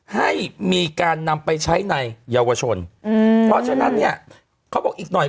ให้มีการนำไปใช้ในเยาวชนอืมเพราะฉะนั้นเนี่ยเขาบอกอีกหน่อย